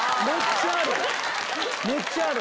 めっちゃある！